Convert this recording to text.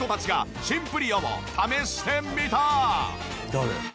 誰？